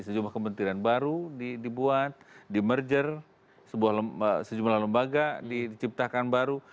sejumlah kementerian baru dibuat di merger sejumlah lembaga diciptakan baru